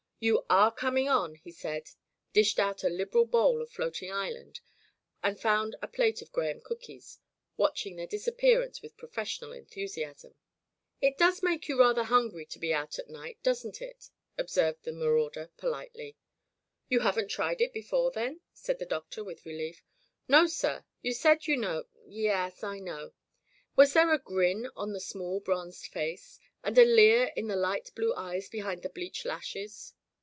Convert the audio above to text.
"You are coming on," he said, dished out a liberal bowl of floating island and found a plate of graham cookies, watching their disappearance with professional enthusiasm. [ 271 ] Digitized by LjOOQ IC Interventions "It does make you rather hungry to be out at night, doesn't it!'* observed the ma rauder, politely. "You haven't tried it before, then ?'* said the Doctor with relief. "No, sir. You said, you know "" Y yes, I know. Was there a grin on the small bronzed face, and a leer in the light blue eyes behind the bleached lashes